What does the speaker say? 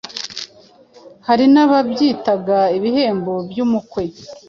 Hari n’ababyitaga ibihembo by’umukwe.